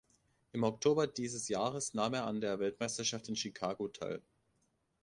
Im Oktober dieses Jahres nahm er an der Weltmeisterschaft in Chicago teil.